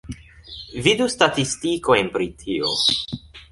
Vidu statistikojn pri tio.